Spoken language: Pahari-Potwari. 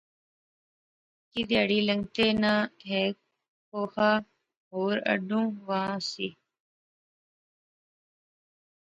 کی تہارے لنگتھے تہ ہیک کھوخا ہور اڈنوں وہا ہوسی